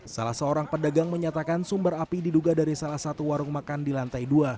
salah seorang pedagang menyatakan sumber api diduga dari salah satu warung makan di lantai dua